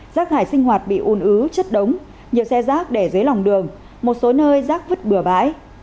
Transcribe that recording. rác thải sinh hoạt bị un ứ chất đống nhiều xe rác để dưới lòng đường một số nơi rác vứt bừa bãi